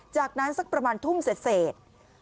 จากนั้นสักประมาณทุ่มเศษ